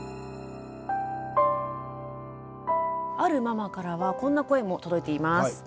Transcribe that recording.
あるママからはこんな声も届いています。